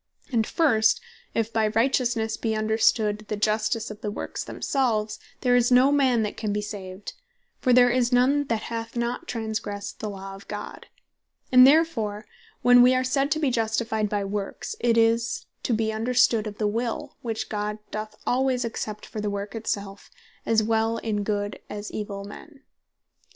And first, if by Righteousnesse be understood the Justice of the Works themselves, there is no man that can be saved; for there is none that hath not transgressed the Law of God. And therefore when wee are said to be Justified by Works, it is to be understood of the Will, which God doth alwaies accept for the Work it selfe, as well in good, as in evill men.